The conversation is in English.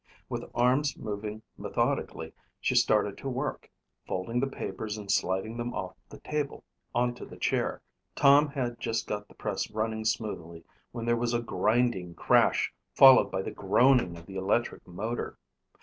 With arms moving methodically, she started to work, folding the papers and sliding them off the table onto the chair. Tom had just got the press running smoothly when there was a grinding crash followed by the groaning of the electric motor.